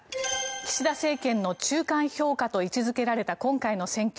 岸田政権の中間評価と位置付けられた今回の選挙。